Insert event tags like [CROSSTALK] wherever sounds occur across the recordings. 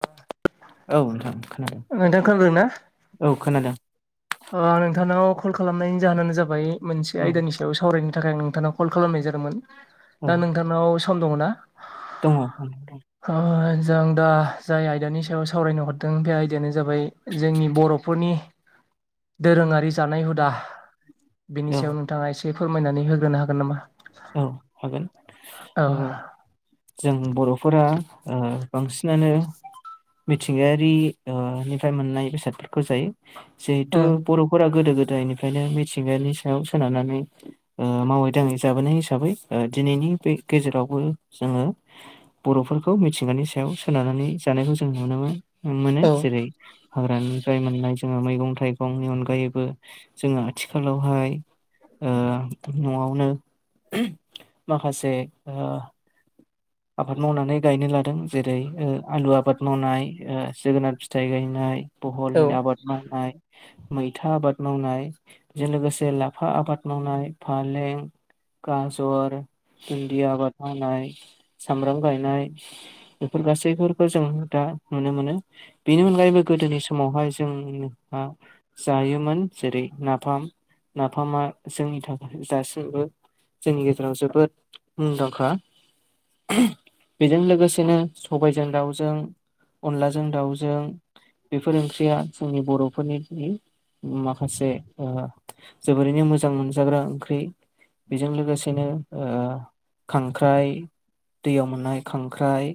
आ औ नोंथां खोनादों खोनादों ना औ खोनादों। ओ नोंथांनाव कल खालामनायनि जाहोनानो जाबाय मोनसे औ आयदानि सायाव सावरायनो थाखाय आं नोंथांनाव कल खालामनाय जादोंमोन औ दा नोंथांनाव सम दङ' ना? दङ' ओ जों दा जाय आयदानि सायाव सावरायनो हरदों बे आयदायानो जाबाय जोंनि बर'फोरनि दोरोङारि जानाय हुदा बेनि औ सायाव नोंथाङा एसे फोरमायनानै होग्रोनो हागोन नामा? औ हागोन औ जों बर'फोरा ओ बांसिनानो मिथिंगायारि ओ निफ्राय मोननाय बेसादफोरखौ जायो। जिहेथु उम बर'फोरा गोदो गो दायनिफ्रायनो मिथिंगानि सायाव सोनारनानै ओ मावै दाङै जाबोनाय हिसाबै ओ दिनैनि बे गेजेरावबो जोङो। बर'फोरखौ मिथिंगानि सायाव सोनारनानै जानायखौ जों नुनो मोन मोनो औ जेरै हाग्रानिफ्राय मोननाय जोङो मैगं-थाइगंनि अनगायैबो जोङो आथिखालावहाय ओ न'आवनो माखासे ओ आबाद मावनानै गायनो लादों जेरै ओ आलु आबाद मावनाय ओ जोगोनार फिथाइ गायनाय औ बहलनि आबाद मावनाय मैथा आबाद मावनाय बेजों लोगोसे लाफा आबाद मावनाय फालें गाजर, भेनदि आबाद मावनाय सामब्राम गायनाय बेफोर गासैफोरखौ जों दा नुनो मोनो। बेनि अनगायैबो गोदोनि समावहाय जों जायोमोन। जेरै नाफाम नाफामा जोंनि थाखाय दासिमबो जोंनि गेजेराव जोबोद मुंदांखा बेजों लोगोसेनो सबायजों दाउजों, अनलाजों दाउजों बेफोर ओंख्रिया जोंनि बर'फोरनि माखासे ओ जोबोरैनो मोजां मोनजाग्रा ओंख्रि बिजों लोगोसेनो खांख्राइ दैयाव मोननाय खांख्राइ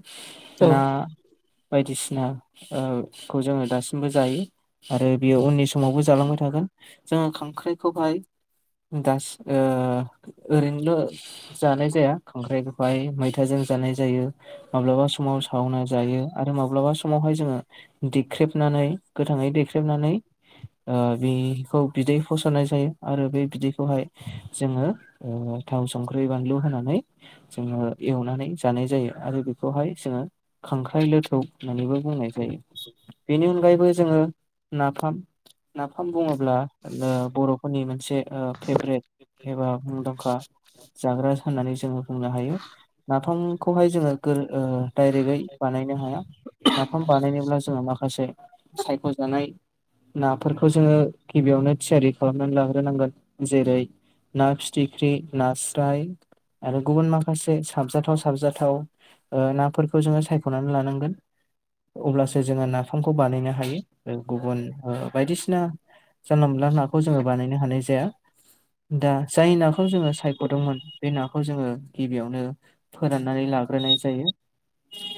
औ ना बायदिसिना ना खौ जोंङो दासिमबो जायो आरो बियो उननि समावबो जालांबाय थागोन। जोंङो खांख्राइखौहाय दास ओरैनोल' जानाय जाया खांख्राइखौहाय फथ जों जानाय जायो माब्लाबा समाव सावना जायो आरो माब्लाबा समावहाय जोंङो दि देख्रेबनानै गोथांङै दैेख्रेबनानै बिखौ बिदै फस'नाय जायो आरो बे बिदैखौहाय जोंङो थाव संख्रि बानलु होनानै जोंङो एवनानै जानाय जायो आरो बेखौहाय जोंङो खांख्राइ लथौ होननानैबो बुंनाय जायो । बेनि अनगायैबो जोंङो नाफाम। नाफाम बुंङोब्ला बर'फोरनि मोनसे फेभ्रेट एबा मुंदांखा जाग्रा होननानै जोंङो बुंनो हायो । नाफामखौहाय जोंङो डाइरेक्टै बानायनो हाया नाफाम बानायनोब्ला जोंङो मा माखासे सायख'जानाय नाफोरखौ जोंङो गिबियावनो थियारि खालामनानै लाग्रोनांगोन जेरै ना फिथिख्रि नास्राय आरो गुबुन माखासे साबजाथाव साबजाथाव नाफोरखौ जोङो सायख'नानै लानांगोन। अब्लासो जोंङो नाफामखौ बानायनो हायो गुबुन बायदिसिना जानलाला नाखौ जोंङो बानायनो हानाय जाया। दा जाय नाखौ जोंङो सायख'दोंमोन बे नाखौ जोंङो गिबियावनो फोराननानै लाग्रोनाय जायो।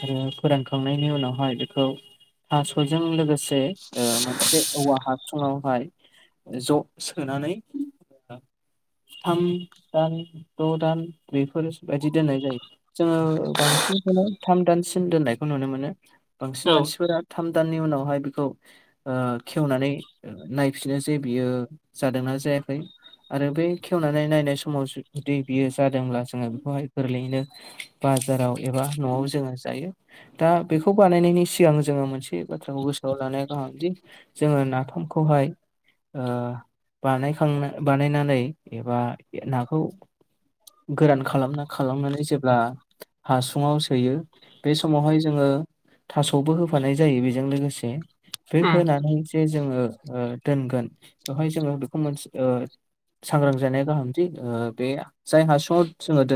आरो फोरानखांनायनि उनावहाय बेखौ थास'जों लोगोसे से मोनसे औवा हासोङावहाय ज' सोनानै थाम दान द दानफोर बिदि दोननाय जायो जोंङो बांसिनखौनो थाम दानसिन दोननायखौ नुनो मोनो बांसिन औ मानसिफोरा थाम दाननि उनावहाय बेखौ खेवनानै नायफिनो जे बियो जादोंना जे आरो बेै खेवनानै नाय समाव जुदि बियो जादोंब्ला जोंङो बेखौहाय गोरलैयैनो बाजाराव एबा न'आव जोंङो जायो दा बेखौ बानायनायनि सिगां जों जोंङो मोनसे बाथ्राखौ गोसोआव लानाया गाहामदि जोंङो नाफामखौहाय बानायखां बानायनानै एबा नाखौ गोरान खालामना खालामनानै जेब्ला हासुङाव सोयो बे समावहाय जोंङो थास'बो होफानाय जायो बेजों लोगोसे बे उम होनानै जे जोंङो दोनगोन बेवहाय जोंङो बेखौ मोनसे सांग्रां जानाया गाहामथि बे जायहा सर्ट जोंङो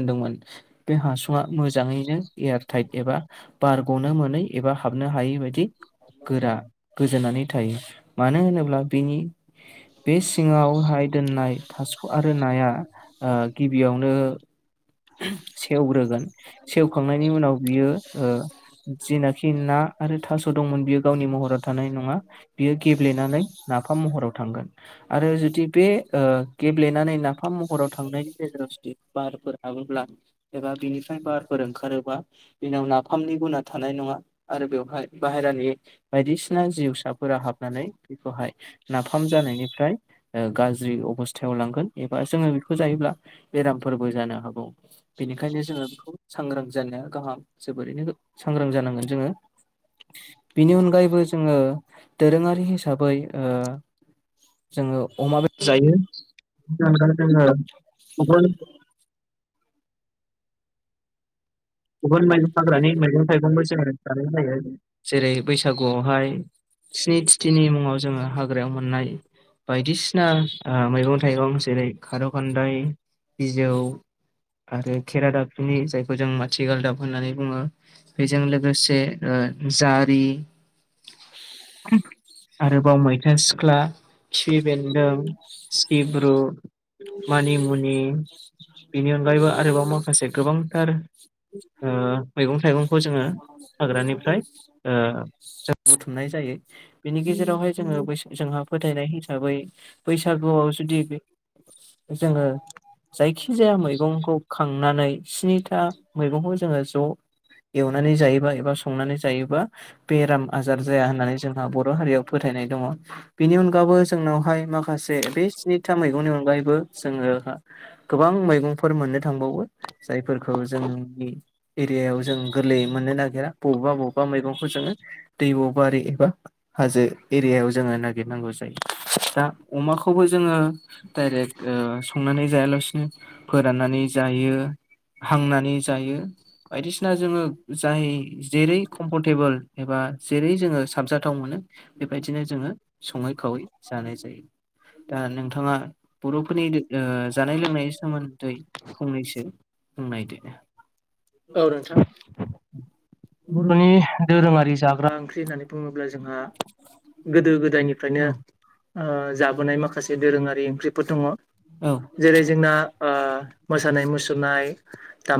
बे हासु मोजांङैनो एयाराइट एबा बारग'नो मोनै एबा हाब नो हायि बायदि गोरा गोजोननानै थायो मानो होनोब्ला बेनि बे सिङांवहाय दोननाय थास' आरो नाया गिबियावनो सेवग्रोगोन सेवखांनायनि उनाव बियो जिनाखि ना आरो थास' दंमोन बियो गावनि महराव थानाय नंङा बियो गेब्लेनानै नाफाम महराव थांगोन आरो जुदि बे गेब्लेनानै नाफाम महराव थांनायनि गेजेराव जुदि बारफोरा हाबोब्ला एबा बिनिफ्राय बारफोर ओंखारोबा बेनाव नाफामनि गुना थानाय नङा आरो बेवहाय बाहेरानि बायदिसिना जिउसाफोरा हाबनानै बेखौहाय नाफाम जानायनि निफ्राय गाज्रि अबस्थायाव लांगोन एबा जोंङो बेखौ जायोब्ला बेरामफोरबो जानो हागोन। बेनिखायनो जोंङो बेखौ सांग्रां जानाया गाहाम जोबोरैनो सांग्रां जानांगोन जोंङो बिनि अनगायैबो जोंङो दोरोङारि हिसाबै जोंङो अमा बेसर जायो जोंङो [UNINTELLIGIBLE] गुबुन हाग्रानि मैगं थाइगंबो जोङो जानाय जायो जेरै बैसागुयावहाय स्निथिनि मुङाव जोङो हा हाग्रायाव मोननाय बायदिसिना आ मैगं थाइगं जेरै खारौ खानदाय बिजौ आरो खेरादाबसनि जायखौ जों मान थिखाल दाब होननानै बुङो बेजों ओ लोगोसे ओ जारि [INAUDIBLE] आरोबाव मैथा सिख्ला खिफि बेनदों सिब्रु मानि मुनि बिनि अनगायैबो आरोबाव माखासे गोबांथार ओ मैगं थाइगं खौ जोङो हाग्रानिफ्राय ओ जों बुथुमनाय जायो। बेनि गेजेरावहाय जोङो जोंहा फोथायनाय हिसाबै बैसागुयाव जुदि जोङो जायखि जाया मैगंखौ खांनानै स्निथा मैगंखौ जोङो ज' एवनानै जायोबा एबा संनानै जायोबा बेराम आजार जाया होननानै जोंहा बर' हारियाव फोथाय नाय दङ बेनि अनगैबो जोंनावहाय माखासे बे स्निथा मैगंनि अनगायैबो जोङो गोबां मैगंफोर मोननो थांबावो जायफोरखौ जोंनि एरियायाव जों गोरलै मोननो नागेरा बबेबा बबेबा मैगंखौ जोङो दैब'बाारि एबा हाजो एरियायाव जोङो नागिर नांगौ जायो दा अमाखौबो जोङो दाइरेक संनानै जाया लासैनो फोराननानै जायो हांनानै जायो बायदिसिना जोङो जाय जेरै कमफरटेबोल एबा जेरै जोङो साबजाथाव मोनो बेबायदिनो जोङो। सङै खावै जानाय जायो दा नोंथां थाङा बर'फोरनि ओ जानाय लोंनायनि सोमोनदै फंनैसो फोरमायदो औ नोंथां बर'नि दोरोङारि जाग्रा ओंख्रि होननानै बुङोब्ला जोंहा गोदो गोदायनिफ्रायनो औ ओ जाबोनाय माखासे दोरोङारि ओंख्रिफोर दङ औ जेरै जोंना ओ मोसानाय मुसुरनाय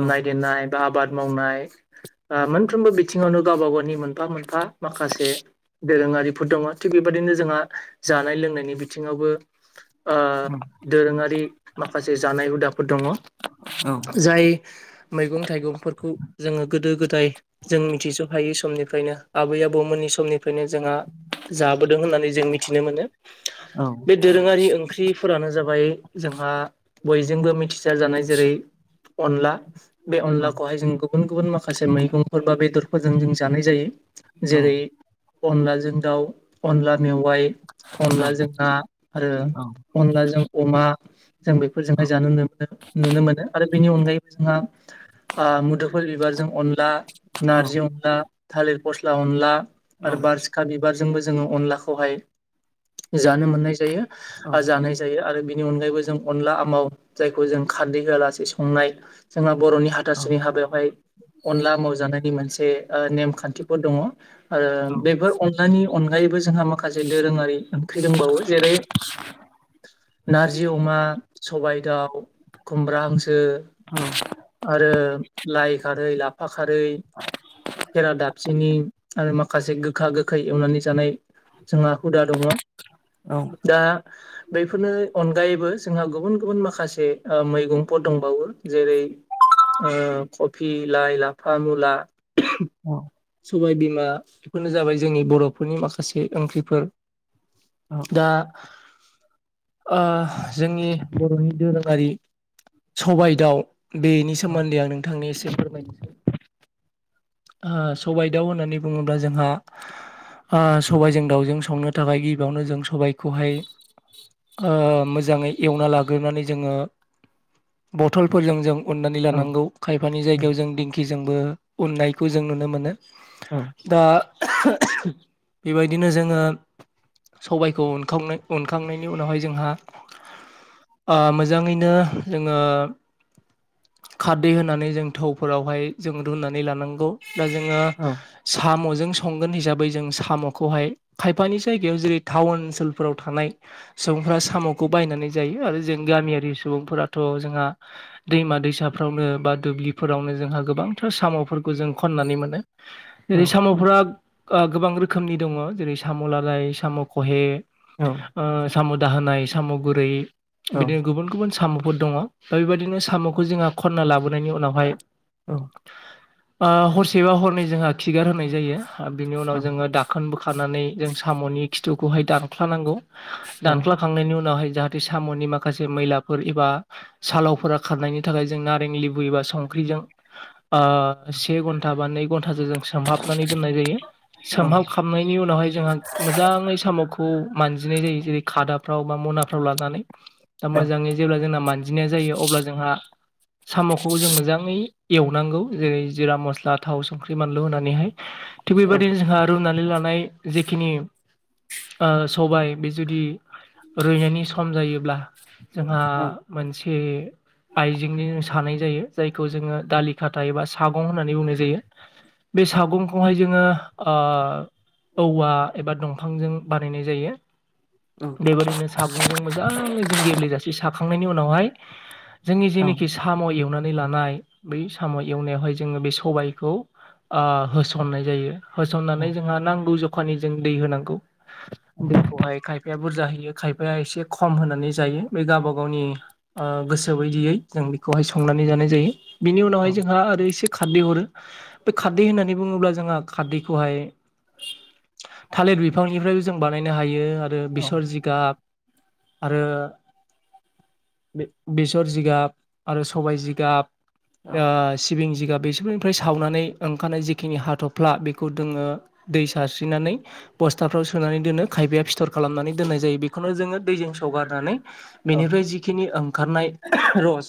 औ देनाय आबाद मावनाय औ ओ मोनफ्रोमबो बिथिङावनो गावबा-गावनि मोनफा मोन फा माखासे दोरोङारिफोर दङ थिग बेबायदिनो जोंहा जानाय लोंनायनि बिथिङावबो ओ दोरोङारि माखासे जानाय हुदाफोर दङ औ जाय मैगं थाइगंफोरखौ जोङो गोदो गोदाय जों मिथिस' हायै समनिफ्रायनो आबै आबौमोननि समनि फ्रायनो जोंहा जाबोदों होननानै जों मिथिनो मोनो औ बे दोरोङारि ओंख्रिफोरानो जाबाय जोंहा बयजोंबो मिथिसार जानाय जेरै अनला बे अनलाखौहाय जों गुबुन गुबुन माखासे मैगंफोर बा बेदरफोरजों जों जानाय जायो औ जेरै अनलाजों दाउ अनला मेवाइ औ अनलाजों ना आरो औ अनलाजों अमा जों औ बेफोरजोंहाय जानाय नुनो मोनो आरो बेनि अनगायैबो जोंहा आ मुदुफुल बिबारजों अनला औ नारजि अनला थालिर फस्ला अनला औ औ आरो बारसिखा बि बिबार जोंबो जोङो अनलाखौहाय जानो मोननाय जायो आरो औ जानाय जायो आरो बेनि अनगायैबो जों अनला आमाव जायखौ जों खारदै होआलासे संनाय जोंहा बर'नि हाथासुनि हाबायावहाय अनला आमाव जानायनि मोनसे ओ नेमखानथिफोर दङ आरो बेफोर अनलानि अनगायैबो जोंहा माखासे दोरोङारि ओंख्रि दंबावो जेरै नारजि अमा सबाइ दाउ खुमब्रा हांसो आरो लाइ खारै लाफा खारै खेरा दाफिनि आरो माखासे गोखा गोखै एवनानै जानाय जोंहा हुदा दङ दा बेफोरनि अनगायैबो जोंहा गुबुन गुबुन माखासे ओ मैगंफोर दंबावो जेरै ओ कफि लाइ लाफा मुला औ सबाय बिमा बेफोरनो जाबाय जोंनि बर'फोरनि माखासे ओंख्रिफोर। दा ओ जोंनि बर'नि दोरोङारि सबाय दाउ बेनि सोमोन्दै आं नोंथांनि फोरायनोसै ओ सबाइ दाव होननानै बुङोब्ला जोंहा ओ सबाइजों दाउजों संनो थाखाय गिबियावनो जों सबाइखौहाय ओ मोज मोजाङै एवना लाग्रोनानै जोङो बथलफोरजों जों उननानै लानांगौ खायफानि जायगायाव जों दिंखिजोंबो उननायखौ जों नुनो मोनो दा बेबायदिनो जोङो सबायखौ उनखांनायनि उनावहाय जोंहा ओ मोजाङैनो जोङो खारदै होनानै जों थौफोरावहाय जों रुनानै लानांगौ। दा जोङो सामजों जों संगोन हिसाबै जों साम'खौहाय खायफानि जायगायाव जेरै टाउन ओनसोलफोराव थानाय सुबुंफ्रा साम'खौ बायनानै जायो आरो जों गामियारि सुबुंफोराथ' जोंहा दैमा दैसा यावनो बा दुब्लिफोरावनो जोंहा गोबांथार साम'फोर जों खननानै मोनो जेरै साम'फ्रा गोबां रोखोमनि दङ जेरै साम' लादाइ साम' खहे ओ साम' दाहोनाय साम' गुरै बिदिनो गुबुन गुबुन साम' फोर दङ दा बेबायदिनो साम'खौ जोंहा खन्ना लाबोनायनि उनावहाय ओ हरसेबा हरनै जोंहा खिगार होनाय जायो बिनि उनाव जोङो दाखोन बोखानानै जों साम'नि खिथुखौहाय दानख्लानांगौ दानख्लाखांनायनि उनावहाय जाहाथे साम'नि माखासे मैलाफोर एबा सालावफोरा खारनायनि थाखाय जों नारें लेबु एबा संख्रि जों ओ से घन्टा बा नै घन्टासो जों सोमहाबनानै दोननाय जायो। सोमहाबखाबनायनि उनावहाय जोंहा मोजाङै साम'खौ मानजिनाय जायो जेरै खादाफ्राव बा मनाफ्राव लानानै दा औ मोजाङै जेब्ला जोंना मान्जिनाया जायो अब्ला जोंहा साम'खौ जों मोजाङै एवनांगौ जेरै जिरा मस्ला थाव संख्रि बानलु होनानैहाय थिग औ बेबायदिनो जोंहा रुनानै लानाय जिखिनि जेखिनि ओ सबाय बे जुदि रुयनायनि सम जायोब्ला जोंहा औ मोनसे आइजेंनि सानाय जायो जायखौ जोङो दालि खाथा एबा सागं होननानै बुंनाय जायो। बे सागंखौहाय जोङो ओ औवा एबा दं फांजों बानायनाय जायो। औ बेबादिनो सागंजों मोजाङै जों गेब्लेेजासे साखांनायनि उनावहाय जोंनि जेनाखि साम' एवनानै लानाय बै साम' एवनायावहाय जोङो बे सबायखौ ओ होसननाय जायो। औ होसननानै जोंहा नांगौ जखानि जों दै होनांगौ औ दैखौहाय खायफा या बुरजा होयो खायफाया एसे खम होनानै जायो बे गावबा गावनि गोसो बायदियै बेखौहाय संनानै जानाय जायो बिनि औ उनावहाय जोंहा आरो एसे खारदै हरो बे खारदै होननानै बुङोब्ला जोंहा खारदैखौहाय थालिर बिफांनिफ्रायबो जों बानायनो हायो आरो औ बेसर जिगाब आरो बेसर जिगाब आरो सबाय जिगाब ओ सिबिं बेसनिफ्राय सावनानै ओंखारनाय जिखिनि हाथ'फ्ला बेखौ दोङो दै सारस्रिनानै बस्थाफ्राव सोनानै दोनो खायफाया फिथर खालामनानै दोननाय जायो बेखौनो जोङो दैजों सौगारनानै औ बेनिफ्राय जिखिनि ओंखारनाय रस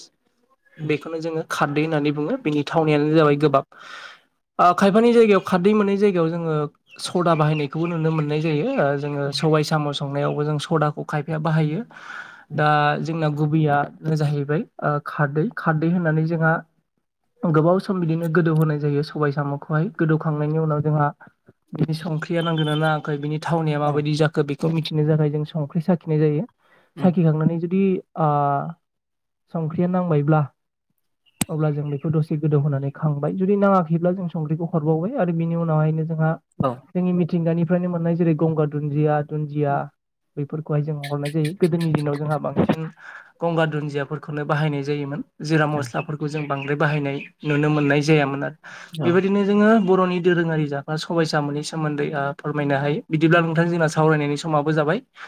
बेखौनो जोङो खारदै होननानै बुङो बेनि थावनायानो जाबाय गोबाब ओ खायफानि जायगायाव खारदै मोनै जायगायाव जोङो सदा बाहायनायखौबो नुनो मोननाय जायो जोङो सबाय साम' संनायावबो जों सदाखौ खायफाया बाहायो दा जोंना गुबैयानो जाहैबाय ओ खारदै खारदै होननानै जोंहा गोबाव सम बिदिनो गोदौ होनाय जायो सबाय साम'खौहाय गोदौखांनायनि उनाव जोंहा बिनि संख्रिया नांगोनना नाङाखै बिनि थावनाया माबायदि जाखो बेखौ मिथिनो थाखाय जों संख्रि साखिनाय जायो साखि खांनानै जुदि ओ संख्रिया नांबायब्ला अब्ला जों बेखौ दसे गोदौहोनानै खांबाय जुदि नाङाखैब्ला जों संख्रिखौ हरबावबाय आरो बिनि उनावहायनो जोंनि मिथिंगानि फ्रायनो मोननाय जेरै गंगार दुन्दिया दुन्दिया बेैफोरखौहाय जों हरनाय जायो गोदोनि दिनाव जोंहा बांसिन गंगार दुन्दियाफोरखौनो बाहायनाय जायोमोन जिरा औ मस्लाफोरखौ जों बांद्राय बाहायनाय नुनो मोननाय जायामोन आरो औ बेबायदिनो जोङो बर'नि दोरोङारि जाग्रा सबाय सामनि सोमोन्दै आ फोरमायनो हायो बिदिब्ला नोंथां जोंना सावरायनायनि समाबो जा बाय